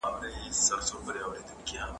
ذوالجلال دي زموږ د اتلانو ناصر سي!